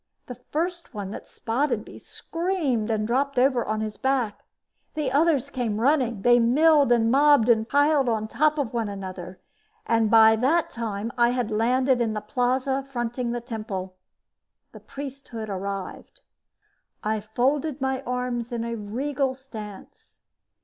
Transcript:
The first one that spotted me screamed and dropped over on his back. The others came running. They milled and mobbed and piled on top of one another, and by that time I had landed in the plaza fronting the temple. The priesthood arrived. I folded my arms in a regal stance.